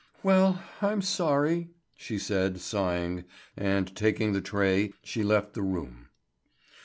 "Well, I'm sorry," she said, sighing; and taking the tray, she left the room.